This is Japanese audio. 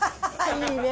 いいね。